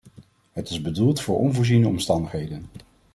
Het is bedoeld voor onvoorziene omstandigheden.